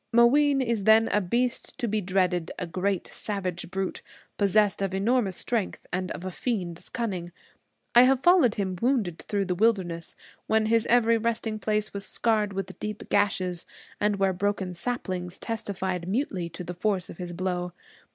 Mooween is then a beast to be dreaded, a great savage brute, possessed of enormous strength and of a fiend's cunning. I have followed him wounded through the wilderness, when his every resting place was scarred with deep gashes, and where broken saplings testified mutely to the force of his blow.